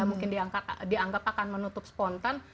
mungkin dianggap akan menutup spontan